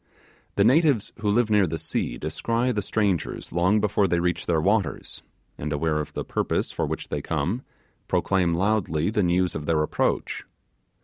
The natives who live near the sea descry the strangers long before they reach their waters, and aware of the purpose for which they come, proclaim loudly the news of their approach.